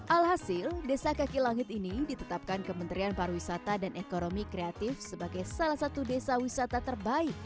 alhasil desa kaki langit ini ditetapkan kementerian pariwisata dan ekonomi kreatif sebagai salah satu desa wisata terbaik